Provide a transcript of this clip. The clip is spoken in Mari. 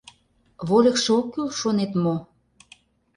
Вольыкшо ок кӱл, шонет мо?